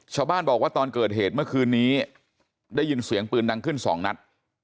ชาวบ้านบอกว่าตอนเกิดเหตุเมื่อคืนนี้ได้ยินเสียงปืนดังขึ้นสองนัด